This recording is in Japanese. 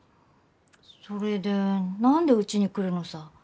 それで何でうちに来るのさ？